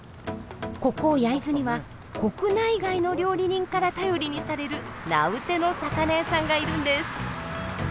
ここ焼津には国内外の料理人から頼りにされる名うての魚屋さんがいるんです。